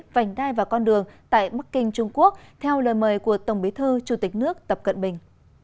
vành đai và con đường tại bắc kinh trung quốc theo lời mời của tổng bí thư chủ tịch nước tập cận bình